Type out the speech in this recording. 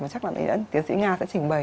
và chắc là tiến sĩ nga sẽ trình bày